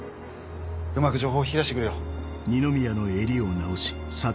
うまく情報を引き出してくるよ。